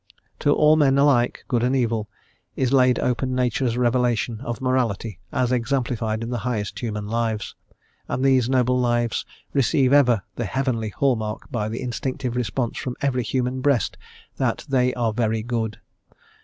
To all men alike, good and evil, is laid open Nature's revelation of morality, as exemplified in the highest human lives; and these noble lives receive ever the heavenly hall mark by the instinctive response from every human breast that they "are very good."